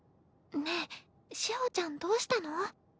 ねえ志穂ちゃんどうしたの？